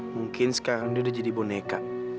mungkin sekarang dia udah jadi boneka